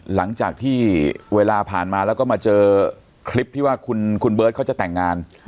หลังจากที่เวลาผ่านมาแล้วก็มาเจอคลิปที่ว่าคุณเบิร์ตเขาจะแต่งงาน